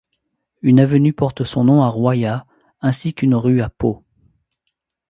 Une avenue porte son nom à Royat, ainsi qu'une rue à Pau.